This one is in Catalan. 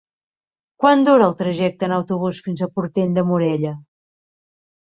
Quant dura el trajecte en autobús fins a Portell de Morella?